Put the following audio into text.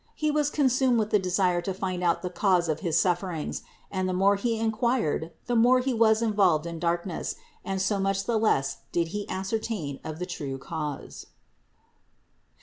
He was consumed with the desire to find out the cause of his sufferings, and the more he inquired the more was he involved in darkness and so much the less did he ascertain of the true cause.